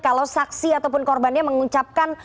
kalau saksi ataupun korbannya mengucapkan